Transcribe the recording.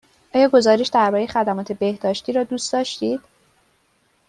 آیا گزارش درباره خدمات بهداشتی را دوست داشتید؟